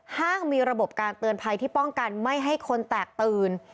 ห้างมีระบบการเตือนภัยที่ป้องกันไม่ให้คนแตกตื่น